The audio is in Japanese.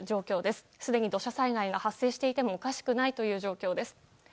すでに土砂災害が発生していてもおかしくない状況です。